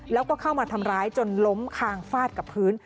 แล้วก็เข้ามาทำร้ายจนล้มคางฟาดกับพื้น